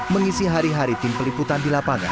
mengisi hari hari tim peliputan di lapangan